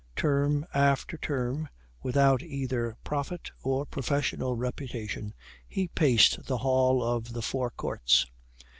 Term after term, without either profit or professional reputation, he paced the hall of the Four Courts.